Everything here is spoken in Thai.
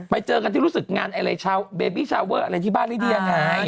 ไปเจอกันที่รู้สึกงานอะไรชาวเบบี้ชาวเวอร์อะไรที่บ้านลิเดียไง